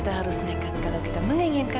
tadi tuh kakak ngambek ke lagu pengen nusik